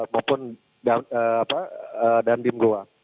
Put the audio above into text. maupun dandim goa